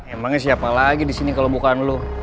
emangnya siapa lagi disini kalo bukan lu